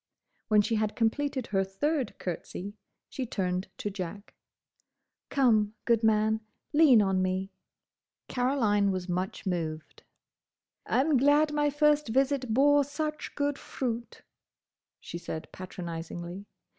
When she had completed her third curtsey, she turned to Jack. "Come, good man. Lean on me." Caroline was much moved. "I'm glad my first visit bore such good fruit," she said patronisingly.